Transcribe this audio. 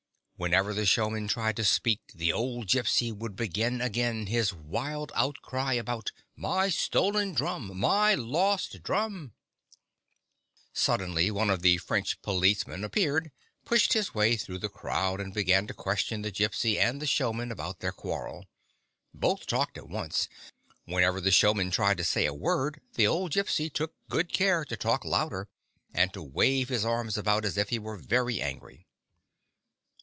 Whenever the showman tried to speak the old Gypsy would begin again his wild outcry about " My stolen drum ! my lost drum !" Suddenly, one of the French policemen ap peared, pushed his way through the crowd, and began to question the Gypsy and the show man about their quarrel. Both talked at once. Whenever the showman tried to say a word, the old Gypsy took good care to talk louder, and to wave his arms about, as if he were very angry.